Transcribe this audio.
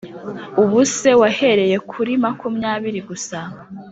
ubuse wahereye kuri makumyabiri gusa